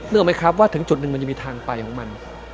ออกไหมครับว่าถึงจุดหนึ่งมันจะมีทางไปของมัน